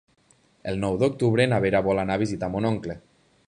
El nou d'octubre na Vera vol anar a visitar mon oncle.